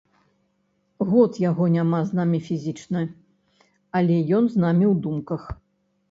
Год яго няма з намі фізічна, але ён з намі ў думках.